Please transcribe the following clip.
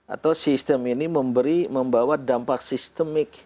atau sistem ini membawa dampak sistemik